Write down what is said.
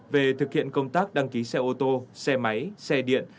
về thực hiện công tác đăng ký xe ô tô xe máy xe điện